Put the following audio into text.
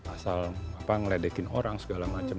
asal ngeledekin orang segala macam